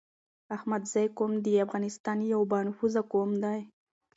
احمدزی قوم دي افغانستان يو با نفوسه قوم دی